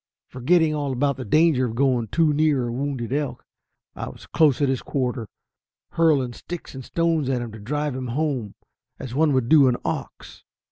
Forgetting all about the danger of going too near a wounded elk, I was close at his quarter, hurling sticks and stones at him to drive him home, as one would an ox.